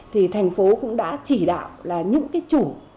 thì thành phố cũng đã chỉ đạo là những cái chủ